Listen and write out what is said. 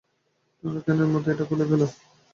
Toner ক্যানের মতো এটা খুলে ফেলো।